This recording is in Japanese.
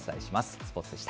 スポーツでした。